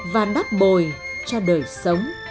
và đắp bồi cho đời sống